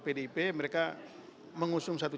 pdip mereka mengusung satu